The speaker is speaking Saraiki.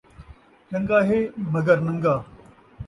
چنڳا ہے، مگر نن٘گا